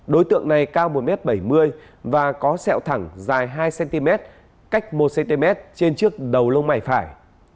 đối tượng này cao một m bảy mươi và có sẹo thẳng dài hai cm cách một cm trên trước đầu lông mày phải